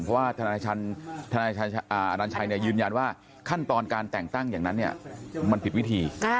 เพราะว่าทนายอนัญชัยยืนยันว่าขั้นตอนการแต่งตั้งอย่างนั้นมันผิดวิธี